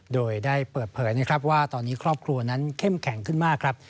โดยได้เปิดเผยนะครับว่าตอนนี้ครอบครัวนั้นเข้มแข็งขึ้นมากครับ